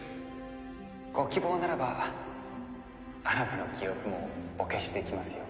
ご希望ならばあなたの記憶もお消しできますよ。